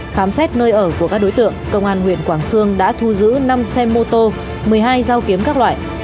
khám xét nơi ở của các đối tượng công an huyện quảng sương đã thu giữ năm xe mô tô một mươi hai dao kiếm các loại